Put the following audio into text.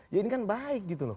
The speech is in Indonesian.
ya ini kan baik gitu loh